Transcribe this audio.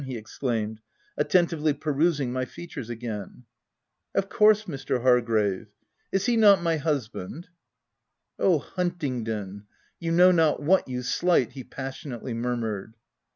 he exclaimed, attentively perusing my features again. u Of course, Mr. Hargrave ; is he not my husband V* " Oh, Huntingdon, you know not what you slight !" he passionately murmured.